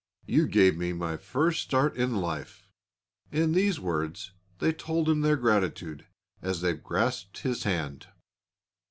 "You gave me my first start in life!" In these words they told him their gratitude, as they grasped his hand.